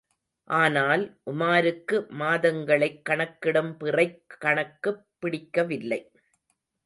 ஆனால், உமாருக்கு மாதங்களைக் கணக்கிடும் பிறைக் கணக்குப் பிடிக்கவில்லை.